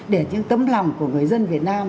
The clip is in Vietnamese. để những tấm lòng của người dân việt nam